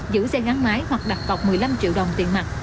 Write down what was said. giữ xe gắn máy hoặc đặt cọc một mươi năm triệu đồng tiền mặt